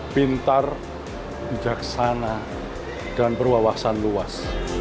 pintar bijaksana dan berwawasan luas